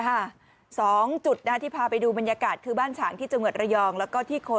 หลักหมื่นจ้ะนี่แหละค่ะโอ้โห